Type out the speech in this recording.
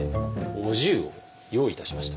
お重を用意いたしました。